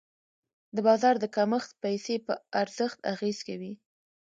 د بازار د کمښت پیسې په ارزښت اغېز کوي.